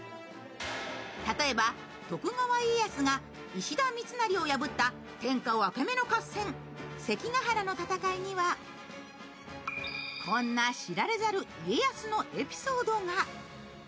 例えば徳川家康が石田三成を破った天下分け目の合戦、関ヶ原の戦いにはこんな知られざる家康のエピソードが。